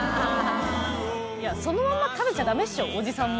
そのまま食べちゃダメでしょおじさんも。